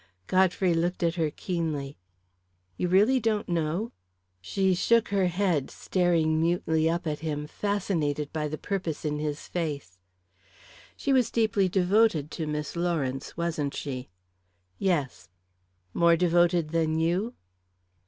Godfrey looked at her keenly. "You really don't know?" She shook her head, staring mutely up at him, fascinated by the purpose in his face. "She was deeply devoted to Miss Lawrence, wasn't she?" "Yes." "More devoted than you?"